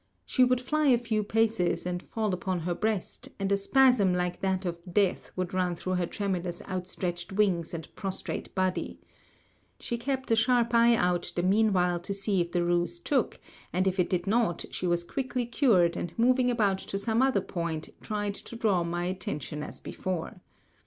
She would fly a few paces and fall upon her breast, and a spasm like that of death would run through her tremulous outstretched wings and prostrate body. She kept a sharp eye out the meanwhile to see if the ruse took, and if it did not she was quickly cured, and moving about to some other point tried to draw my attention as before.